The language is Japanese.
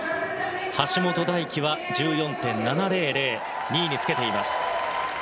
橋本大輝は１４．７００で２位につけています。